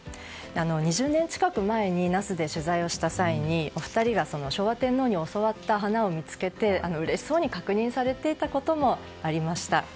２０年近く前に那須で取材した際にお二人が昭和天皇に教わった花を見つけてうれしそうに確認されていたこともありました。